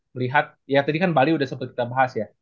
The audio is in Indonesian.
melihat ya tadi kan bali sudah sempat kita bahas ya